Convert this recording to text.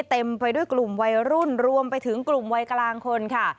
เต็มไปด้วยกลุ่มวัยรุ่นรวมไปถึงกลุ่มวัยกลางคนค่ะ